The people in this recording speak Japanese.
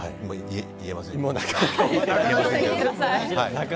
言えませんけど。